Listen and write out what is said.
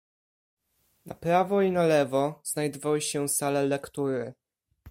"Na prawo i na lewo znajdowały się sale lektury."